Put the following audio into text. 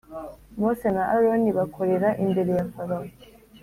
Mose na Aroni bakorera imbere ya Farawo